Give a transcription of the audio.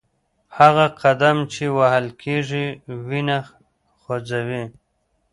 هغه قدم چې وهل کېږي وینه خوځوي.